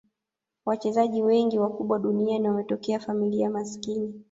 wachezaji wengi wakubwa duniani wametokea familia maskini